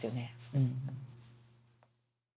うん。